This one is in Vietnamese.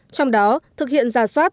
trong đó thực hiện giả soát